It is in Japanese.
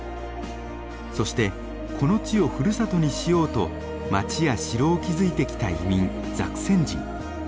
そしてこの地をふるさとにしようと街や城を築いてきた移民ザクセン人。